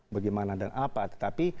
bagaimana dan apa tetapi